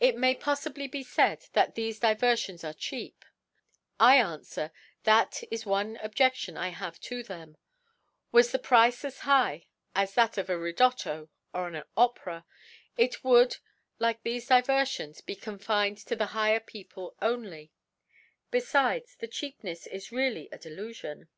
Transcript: It may poffibly be faid that thefe Diver fions are cheap : I anfwer, that is one Ob jcftion I have to them : Was the Price as high as that of a Ridotto, or an Opera, ic would, like thefe Diverfions, be confined to the higher People only ; befides the Cheap nefs is really a Delufion.